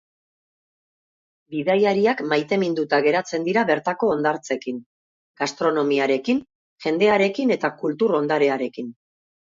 Bidaiariak maiteminduta geratzen dira bertako hondartzekin, gastronomiarekin, jendearekin eta kultur ondarearekin.